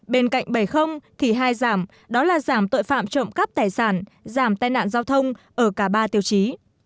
bên cạnh bảy thì hai giảm đó là giảm tội phạm trộm cắp tài sản giảm tai nạn giao thông ở cả ba tiêu chí